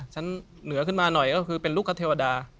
เหนือขึ้นมาหน่อยก็คือเป็นลูกคเทวดา